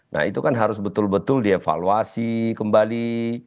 nah itu kan harus betul betul dievaluasi kembali